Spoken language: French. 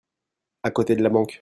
À côté de la banque.